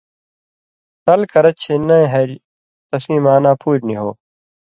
ٹل کرہ چھی نئ ہریۡ تسیں معنا پُوریۡ نی ہو،